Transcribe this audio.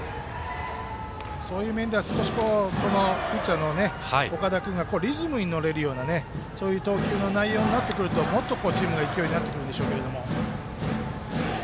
そういう面では、少しピッチャーの岡田君がリズムに乗れるような投球の内容になってくるともっと、チームの勢いになってくるでしょうが。